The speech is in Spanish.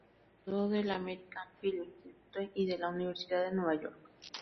Se graduó del American Film Institute y de la Universidad de Nueva York.